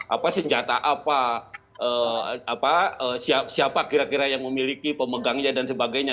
apa senjata apa siapa kira kira yang memiliki pemegangnya dan sebagainya